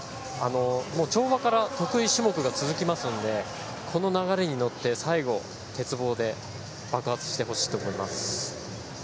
跳馬から得意種目が続きますのでこの流れに乗って最後、鉄棒で爆発してほしいと思います。